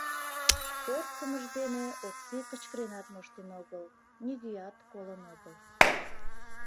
Ӧрткымыж дене Окси кычкыренат моштен огыл, нигӧат колын огыл...